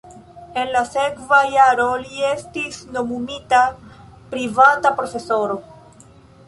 En la sekva jaro li estis nomumita privata profesoro.